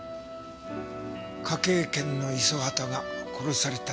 科警研の五十畑が殺された事件。